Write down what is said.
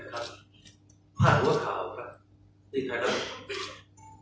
ครับผ้าหัวขาวครับที่ไทยแล้วก็ไม่มี